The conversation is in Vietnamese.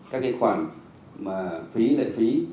các cái khoản mà phí lệ phí